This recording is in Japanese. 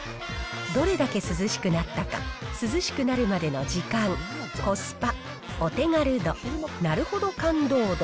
どれだけ涼しくなったか、涼しくなるまでの時間、コスパ、お手軽度、なるほど感動度。